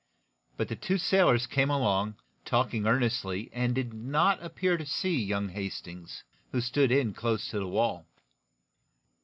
But the two sailors came along, talking earnestly, and did not appear to see young Hastings, who stood in close to the wall.